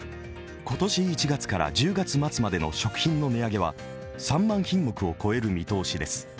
今年１月から１０月末までの食品の値上げは３万品目を超える見通しです。